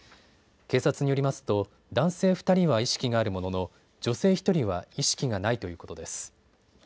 警察によりますと男性２人は意識があるものの女性１人は意識がないということです。